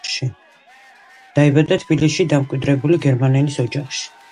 დაიბადა თბილისში დამკვიდრებული გერმანელის ოჯახში.